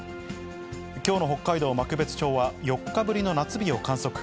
きょうの北海道幕別町は、４日ぶりの夏日を観測。